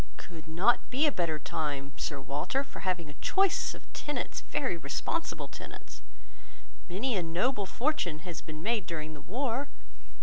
Could not be a better time, Sir Walter, for having a choice of tenants, very responsible tenants. Many a noble fortune has been made during the war.